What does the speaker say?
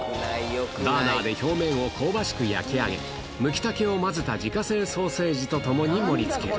バーナーで表面を香ばしく焼き上げ、ムキタケを混ぜた自家製ソーセージと共に盛りつける。